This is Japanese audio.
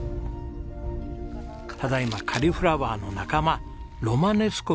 ただ今カリフラワーの仲間ロマネスコの収穫中です。